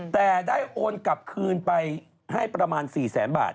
แต่ได้โอนกลับคืนไปให้ประมาณ๔แสนบาท